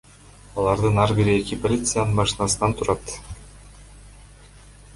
Алардын ар бири эки полициянын машинасынан турат.